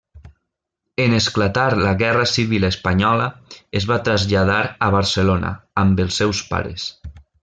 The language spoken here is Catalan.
En esclatar la guerra civil espanyola es va traslladar a Barcelona amb els seus pares.